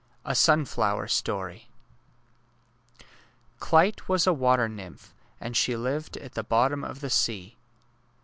A SUNFLOWER STORY Clyte was a water nymph, and she lived at the bottom of the sea.